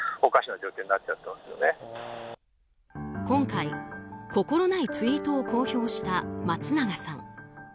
今回、心ないツイートを公表した松永さん。